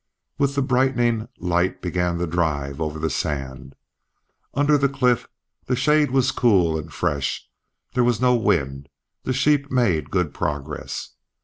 With the brightening light began the drive over the sand. Under the cliff the shade was cool and fresh; there was no wind; the sheep made good progress.